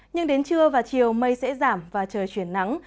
nhưng đến trưa và chiều mây sẽ giảm và trời chuyển nắng